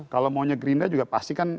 kalau maunya gerindra juga pasti kan